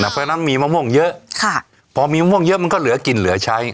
เพราะฉะนั้นมีมะม่วงเยอะพอมีมะม่วงเยอะมันก็เหลือกินเหลือใช้